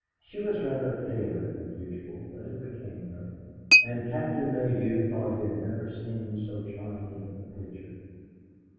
She was rather paler than usual, but it became her, and Captain Maydew thought he had never seen so charming a creature.